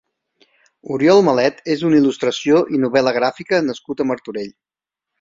Oriol Malet és un il·lustració i novel·la gràfica nascut a Martorell.